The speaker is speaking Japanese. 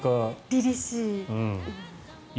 りりしい。